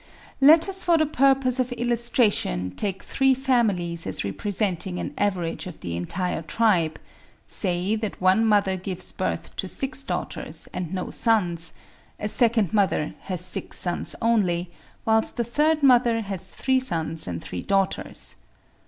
"Let us for the purpose of illustration take three families as representing an average of the entire tribe; say that one mother gives birth to six daughters and no sons; a second mother has six sons only, whilst the third mother has three sons and three daughters.